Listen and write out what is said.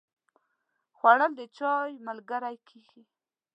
خوړل د چای ملګری کېږي